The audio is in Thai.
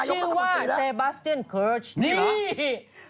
ชื่อว่าเซบาสเตียนเคอร์ชนี่